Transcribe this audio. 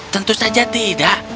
tentu saja tidak